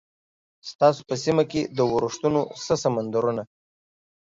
ستاسو په سیمه کې د ورښتونو څه سمندرونه؟